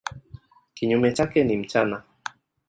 Kinyume chake ni mchana.